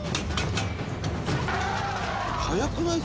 「早くない？